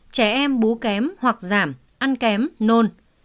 trẻ em bú kém hoặc giảm ăn kém nôn